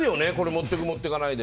持っていく、持っていかないで。